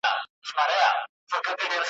نه خرقه پوش نه پر منبر د پرهېز لاپي کوي ,